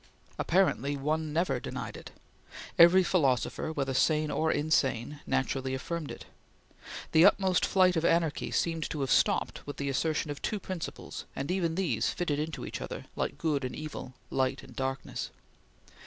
Apparently one never denied it. Every philosopher, whether sane or insane, naturally affirmed it. The utmost flight of anarchy seemed to have stopped with the assertion of two principles, and even these fitted into each other, like good and evil, light and darkness.